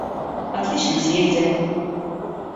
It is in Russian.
Отлично съездим.